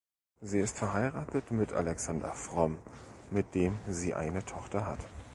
Sie ist verheiratet mit Alexander Fromm, mit dem sie eine Tochter hat.